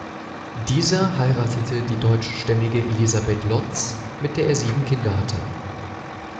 Dieser heiratete die deutschstämmige Elizabeth Lotz, mit der er sieben Kinder hatte.